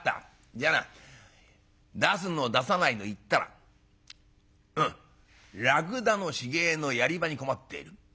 じゃあな出すの出さないの言ったらうん『らくだの死骸のやり場に困っている。